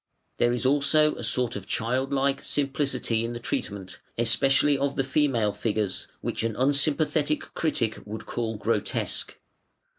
There is also a sort of child like simplicity in the treatment, especially of the female figures, which an unsympathetic critic would call grotesque.